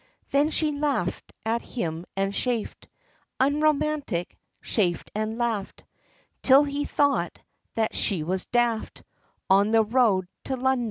Then she laughed at him, and chaffed, Unromantic, chaffed, and laughed; Till he thought, that she was daft, On the road, to London.